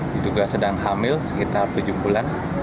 di tuga sedang hamil sekitar tujuh bulan